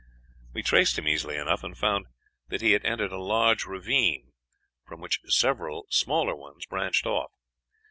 We traced him easily enough, and found that he had entered a large ravine, from which several smaller ones branched off.